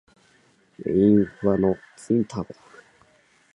令和のツインターボだ！